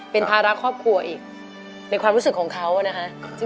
เป็นภาระครอบครัวอีกในความรู้สึกของเขานะคะ